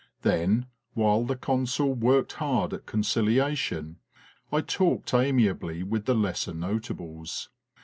Then, while the Consul worked hard at conciliation, I talked amiably with the lesser notables.